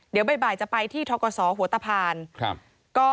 เดี๋ยวบ่ายจะไปที่ทกศหัวตะพาน